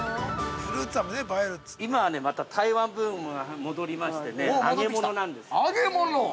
◆今はまた台湾ブームが戻りまして、揚げ物なんですよ。